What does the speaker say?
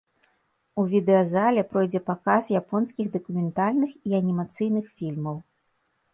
У відэазале пройдзе паказ японскіх дакументальных і анімацыйных фільмаў.